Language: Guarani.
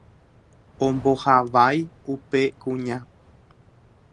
ombohavái upe kuña.